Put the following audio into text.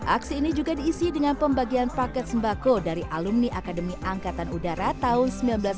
aksi ini juga diisi dengan pembagian paket sembako dari alumni akademi angkatan udara tahun seribu sembilan ratus sembilan puluh tiga